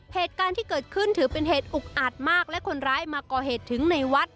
เหตุการณ์ที่เกิดขึ้นถือเป็นเหตุอุกอาจมากและคนร้ายมาก่อเหตุถึงในวัด